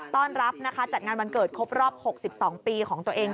ต้อนรับนะคะจัดงานวันเกิดครบรอบ๖๒ปีของตัวเอง